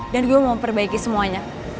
dan gue mau perbaiki semuanya